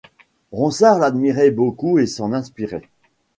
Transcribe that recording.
Ronsard l'admirait beaucoup et s'en inspirait.